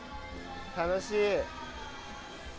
楽しい。